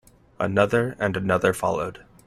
Another and another followed.